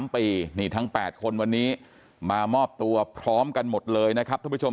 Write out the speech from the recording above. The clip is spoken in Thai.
๓ปีนี่ทั้ง๘คนวันนี้มามอบตัวพร้อมกันหมดเลยนะครับทุกผู้ชม